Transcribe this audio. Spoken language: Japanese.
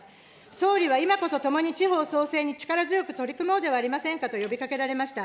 総理は今こそ、共に、地方創生に力強く取り組もうではありませんかと呼びかけられました。